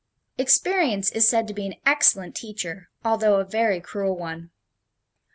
Experience is said to be an excellent teacher, although a very cruel one.